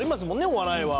お笑いは。